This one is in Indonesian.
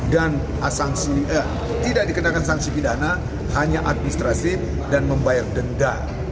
dan asansi tidak dikenakan sanksi pidana hanya administratif dan membayar denda